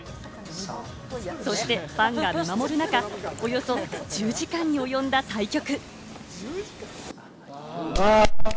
そしてファンが見守る中、およそ１０時間に及んだ対局。